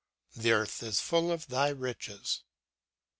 The earth is full of thy riches."